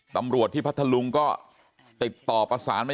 ตำรวจที่พัทธลุงก็ติดต่อประสานไป